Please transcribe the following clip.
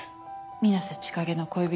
水瀬千景の恋人